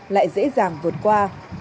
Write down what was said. lại dễ dàng vượt qua